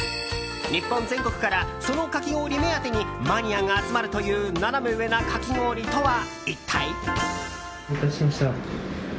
日本全国からそのかき氷目当てにマニアが集まるというナナメ上なかき氷とは一体？